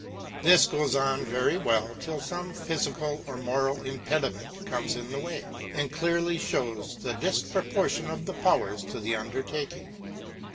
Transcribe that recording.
This goes on very well till some physi cal or moral impediment comes in the way, and clearly shows the disproportion of the powers to the undertaking.